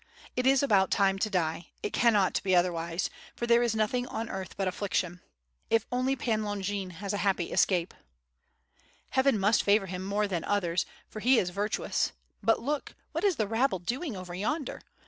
It is about time to die; it cannot be otherwise; for there is nothing on earth but affliction. If only Pan Longin has a happy escape!" "Heaven must favor him more than others, for he is vir WITH FIRE AND SWORD. 769 tuous. But look! what is the rabble doing over yonder?